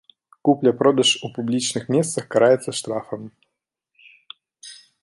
Купля-продаж у публічных месцах караецца штрафам.